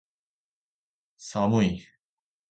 寒い